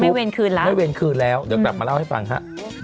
ไม่เวรคืนแล้วดีกว่าไม่ไมนคืนแล้วอือไปเกี่ยวกลับมาเล่าให้ฟังค่ะ